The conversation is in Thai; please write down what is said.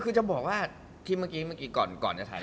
คือจะบอกว่าที่เมื่อกี้เมื่อกี้ก่อนจะถ่าย